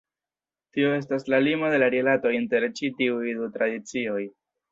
Tio estas la limo de la rilato inter ĉi tiuj du tradicioj.